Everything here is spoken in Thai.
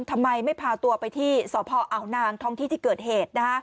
ทำไมไม่พาตัวไปที่สพอาวนางท้องที่ที่เกิดเหตุ